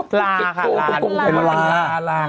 เป็นลา